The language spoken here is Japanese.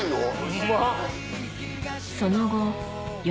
うまっ。